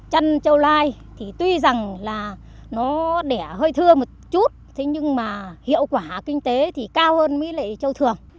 chăn châu lai thì tuy rằng là nó đẻ hơi thưa một chút thế nhưng mà hiệu quả kinh tế thì cao hơn mấy lại châu thường